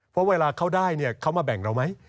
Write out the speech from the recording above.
เพราะเวลาเขาได้เขามาแบ่งเราไหม